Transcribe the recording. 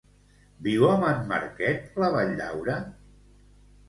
Viu amb en Marquet, la Valldaura?